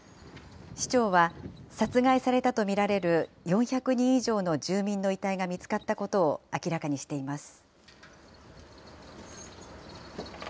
市長は殺害されたと見られる４００人以上の住民の遺体が見つかったことを明らかにしています。